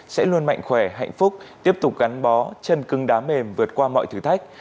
sẽ luôn mạnh khỏe hạnh phúc tiếp tục gắn bó chân cưng đá mềm vượt qua mọi thử thách